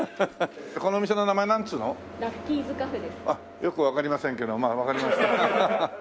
よくわかりませんけどまあわかりました。